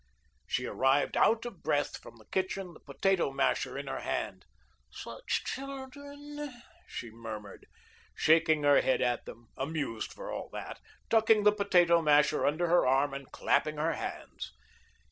She arrived out of breath from the kitchen, the potato masher in her hand. "Such children," she murmured, shaking her head at them, amused for all that, tucking the potato masher under her arm and clapping her hands.